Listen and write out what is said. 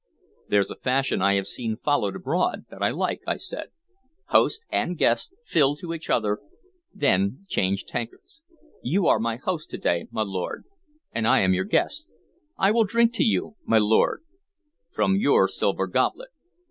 "There's a fashion I have seen followed abroad, that I like," I said. "Host and guest fill to each other, then change tankards. You are my host to day, my lord, and I am your guest. I will drink to you, my lord, from your silver goblet."